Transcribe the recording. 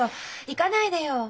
行かないでよ。